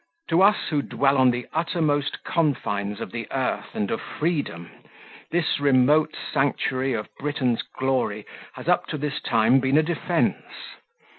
To us who dwell on the uttermost confines of the earth and of freedom, this remote sanctuary of Britain's glory has up to this time been a defence.